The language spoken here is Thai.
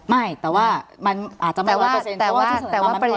ไม่แต่ว่ามันอาจจะมา๑๐๐เพราะว่าที่สำหรับเรามัน๑๐๐